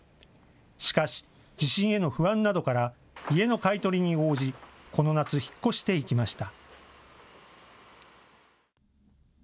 しかし地震への不安などから家の買い取りに応じ、この夏、引っ越していきました。